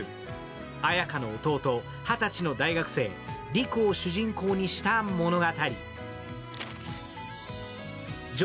綾華の弟、２０歳の大学生、陸を主人公にした物語。